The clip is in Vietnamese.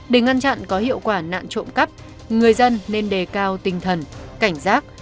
để ngăn chặn có hiệu quả nạn trộm cắp người dân nên đề cao tinh thần cảnh giác